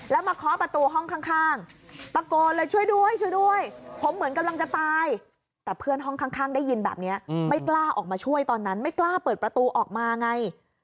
แล้วมาเคาะประตูห้องข้างตะโกนเลยช่วยด้วยช่วยด้วยผมเหมือนกำลังจะตายแต่เพื่อนห้องข้างได้ยินแบบนี้ไม่กล้าออกมาช่วยตอนนั้นไม่กล้าเปิดประตูออกมาไง